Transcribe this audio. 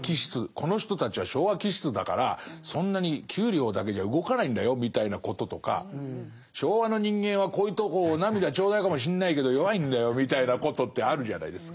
この人たちは昭和気質だからそんなに給料だけじゃ動かないんだよみたいなこととか昭和の人間はこういうとこお涙頂戴かもしんないけど弱いんだよみたいなことってあるじゃないですか。